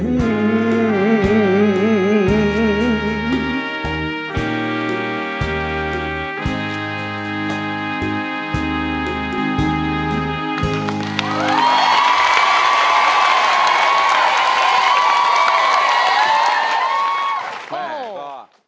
กว่าจะรู้